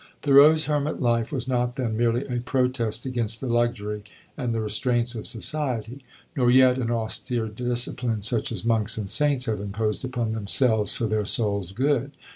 Thoreau's hermit life was not, then, merely a protest against the luxury and the restraints of society, nor yet an austere discipline such as monks and saints have imposed upon themselves for their souls' good.